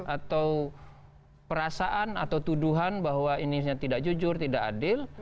atau perasaan atau tuduhan bahwa ini tidak jujur tidak adil